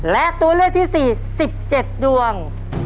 และตัวเลือกที่๔๑๗ดวง